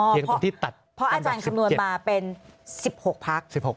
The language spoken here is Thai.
อ๋อเถียงตรงที่ตัดอันดับ๑๗พออาจารย์คำนวณมาเป็น๑๖พัก